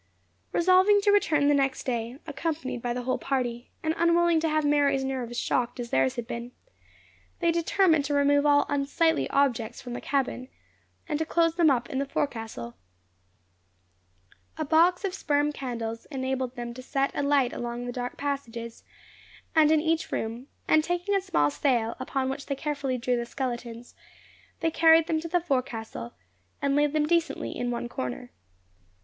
Resolving to return the next day, accompanied by the whole party, and unwilling to have Mary's nerves shocked as theirs had been, they determined to remove all unsightly objects from the cabin, and to close them up in the forecastle. A box of sperm candles enabled them to set a light along the dark passages, and in each room; and taking a small sail, upon which they carefully drew the skeletons, they carried them to the forecastle, and laid them decently in one corner.